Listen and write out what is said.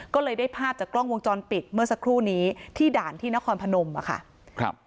ก็เลยได้ภาพจากกล้องวงจรปิดเมื่อสักครู่นี้ที่ด่านที่นครพนมอะค่ะครับ